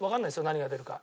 何が出るか。